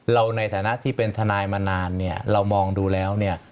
ในฐานะที่เป็นทนายมานานเนี่ยเรามองดูแล้วเนี่ย